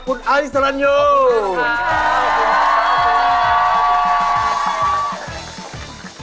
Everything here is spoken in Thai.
คุณไอซ์สลันยูขอบคุณมากครับขอบคุณมาก